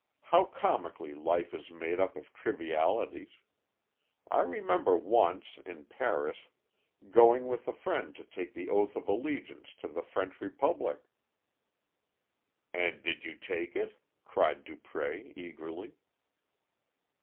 How comically life is made up of trivialities. I remember once, in Paris, going with a friend to take the oath of allegiance to the French Republic." "And did you take it?" cried Dupré eagerly.